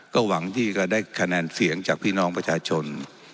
ก็หวังที่จะได้คะแนนเสียงจากพี่น้องประชาชน